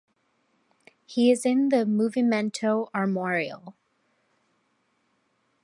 He is in the "Movimento Armorial".